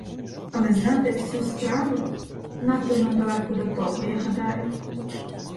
Але знати всю справу — надто нам далеко до того, я гадаю.